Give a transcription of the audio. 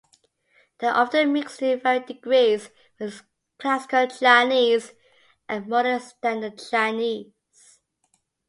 They are often mixed to varying degrees with Classical Chinese and Modern Standard Chinese.